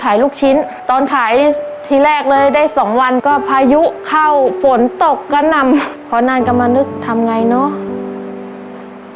ลูกชิ้นตอนขายทีแรกเลยได้สองวันก็พายุเข้าฝนตกก็นำพอนานก็มานึกทำไงเนอะ